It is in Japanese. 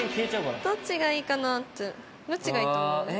どっちがいいかな？ってどっちがいいと思う？